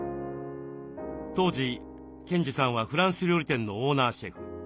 当時賢治さんはフランス料理店のオーナーシェフ。